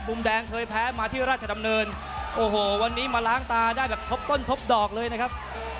มุมแดงเคยแพ้มาที่ราชดำเนินโอ้โหวันนี้มาล้างตาได้แบบทบต้นทบดอกเลยนะครับ